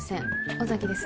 尾崎です